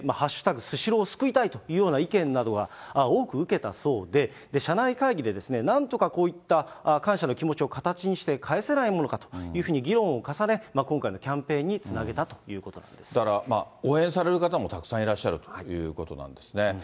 スシローを救いたいという意見などが多く受けたそうで、社内会議でなんとかこういった感謝の気持ちを形にして返せないものかと議論を重ね、今回のキャンペーンにつなげたということなんだから、応援される方もたくさんいらっしゃるということなんですね。